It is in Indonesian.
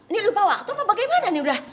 nih lupa waktu apa bagaimana nih udah